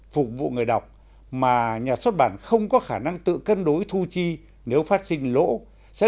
phục vụ người đọc mà nhà xuất bản không có khả năng tự cân đối thu chi nếu phát sinh lỗ sẽ